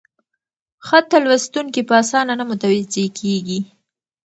خط ته لوستونکي په اسانه نه متوجه کېږي: